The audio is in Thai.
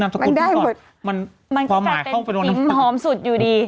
แต่เป็นปิ๊มหอมสุดอยู่ดี